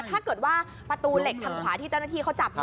ถ้าเกิดว่าประตูเหล็กทางขวาที่เจ้าหน้าที่เขาจับ